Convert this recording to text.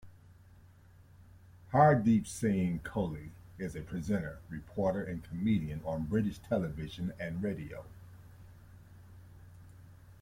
Hardeep Singh Kohli is a presenter, reporter and comedian on British television and radio.